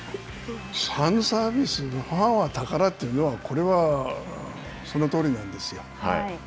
ファンサービスのファンは宝というのはこれは、そのとおりなんですよ。